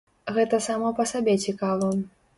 Гэта само па сабе цікава.